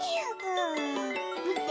みて！